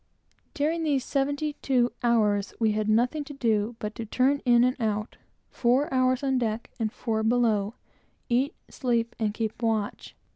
During these seventy two hours we had nothing to do, but to turn in and out, four hours on deck, and four below, eat, sleep, and keep watch.